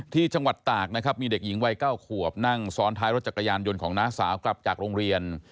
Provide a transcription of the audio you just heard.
ที่จังหวัดตากนะครับมีเด็กหญิงวัย๙ขวบนั่งซ้อนท้ายรถจักรยานยนต์ของน้าสาวกลับจากโรงเรียน